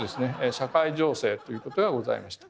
社会情勢ということがございました。